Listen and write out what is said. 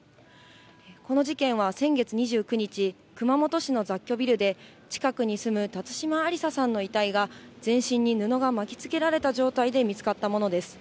この事件は先月２９日、熊本市の雑居ビルで、近くに住む辰島ありささんの遺体が、全身に布が巻きつけられた状態で見つかったものです。